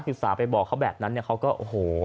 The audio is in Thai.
นักศึกษาไปบอกเขาแบบนั้นเขาก็โรโห